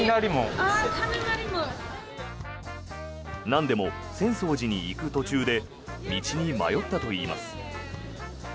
なんでも、浅草寺に行く途中で道に迷ったといいます。